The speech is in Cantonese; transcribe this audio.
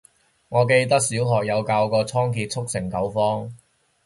我記得小學有教過倉頡速成九方